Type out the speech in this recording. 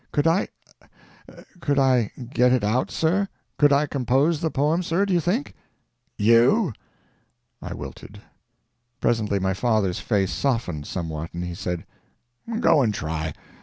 Could I could I get it out, sir? Could I compose the poem, sir, do you think?" "You?" I wilted. Presently my father's face softened somewhat, and he said: "Go and try.